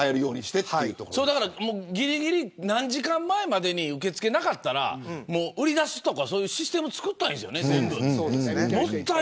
ぎりぎり何時間前までに受け付けがなかったら売り出すとかそういうシステムを作ったらいいんですよね。